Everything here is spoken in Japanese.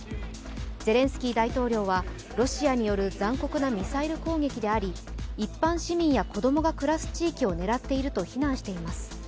ゼレンスキー大統領はロシアによる残酷なミサイル攻撃であり一般市民や子供が暮らす地域を狙っていると非難しています。